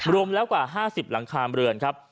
รวมแล้วกว่า๕๐หลังคาเรือนครับ